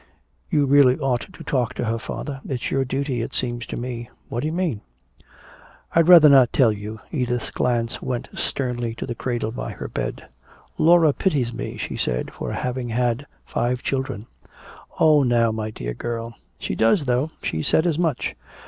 You really ought to talk to her, father. It's your duty, it seems to me." "What do you mean?" "I'd rather not tell you." Edith's glance went sternly to the cradle by her bed. "Laura pities me," she said, "for having had five children." "Oh, now, my dear girl!" "She does, though she said as much.